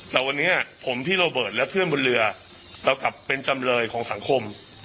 แต่วันนี้ผมพี่โรเบิร์ตและเพื่อนบนเรือเรากลับเป็นจำเลยของสังคม